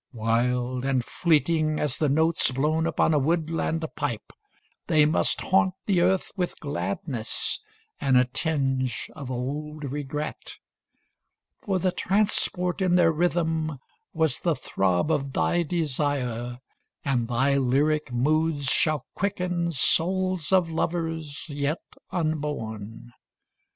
Wild and fleeting as the notes Blown upon a woodland pipe, 30 They must haunt the earth with gladness And a tinge of old regret. For the transport in their rhythm Was the throb of thy desire, And thy lyric moods shall quicken 35 Souls of lovers yet unborn.